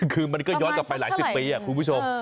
คือมันก็ย้อนกลับไปหลายสิบปีคุณผู้ชม